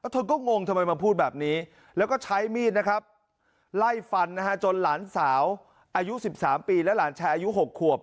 เธอก็งงทำไมมาพูดแบบนี้แล้วก็ใช้มีดนะครับไล่ฟันจนหลานสาวอายุ๑๓ปีและหลานชายอายุ๖ขวบ